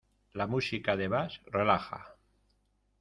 La música de Bach relaja.